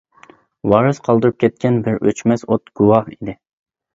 ۋارس قالدۇرۇپ كەتكەن بىر ئۆچمەس ئوت گۇۋاھ ئىدى.